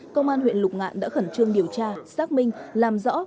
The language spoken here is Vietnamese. công an huyện lục ngạn đã khẩn trương điều tra xác minh làm rõ